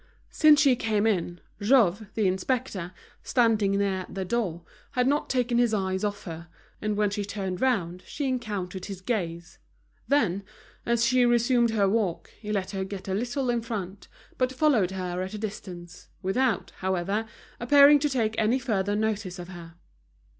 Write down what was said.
Since she came in, Jouve, the inspector, standing near the door, had not taken his eyes off her; and when she turned round she encountered his gaze. Then, as she resumed her walk, he let her get a little in front, but followed her at a distance, without, however, appearing to take any further notice of her.